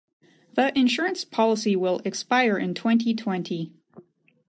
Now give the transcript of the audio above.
The insurance policy will expire in twenty-twenty.